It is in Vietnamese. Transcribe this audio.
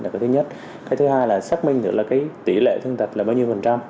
cái thứ hai là xác minh tỷ lệ thương tích là bao nhiêu phần trăm